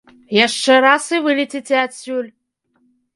Яшчэ раз, і вылеціце адсюль!